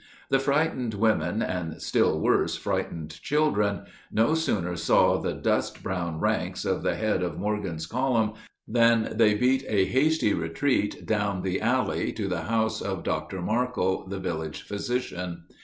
The frightened women, and still worse frightened children, no sooner saw the "dust brown ranks" of the head of Morgan's column than they beat a hasty retreat down the alley to the house of Dr. Markle, the village physician.